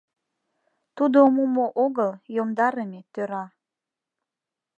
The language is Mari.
Тудо Мумо огыл, Йомдарыме-тӧра.